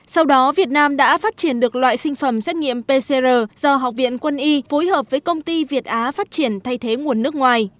sau đó việt nam đã phát triển được loại sinh phẩm xét nghiệm pcr do học viện quân y phối hợp với công ty việt á phát triển thay thế nguồn nước ngoài